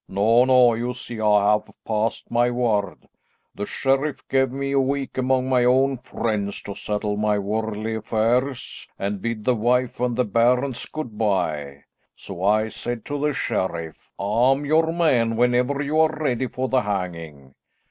No, no, you see I have passed my word. The sheriff gave me a week among my own friends to settle my worldly affairs, and bid the wife and the bairns good bye. So I said to the sheriff, 'I'm your man whenever you are ready for the hanging.'